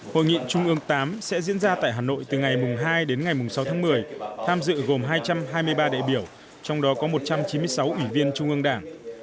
hội nghị trung ương viii sẽ diễn ra tại hà nội từ ngày hai đến ngày sáu tháng một mươi tham dự gồm hai trăm hai mươi ba đại biểu trong đó có một trăm chín mươi sáu ủy viên trung ương đảng